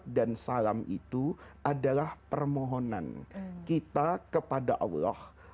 salawat dan salam itu adalah permohonan kita kepada allah